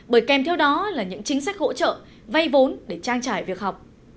bởi kèm theo đó là những chính sách hỗ trợ vay vốn để trang trải việc học